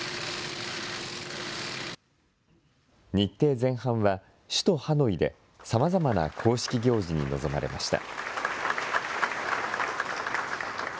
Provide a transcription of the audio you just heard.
日程前半は首都ハノイでさまざまな公式行事に臨まれました。